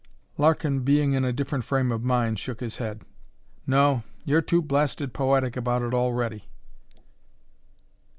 Larkin, being in a different frame of mind, shook his head. "No, you're too blasted poetic about it already.